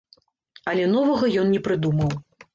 Але новага ён не прыдумаў.